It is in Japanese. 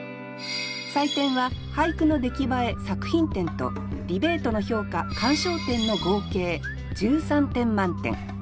採点は俳句の出来栄え作品点とディベートの評価鑑賞点の合計１３点満点。